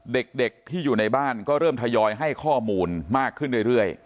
เด็กที่อยู่ในบ้านก็เริ่มทยอยให้ข้อมูลมากขึ้นเรื่อย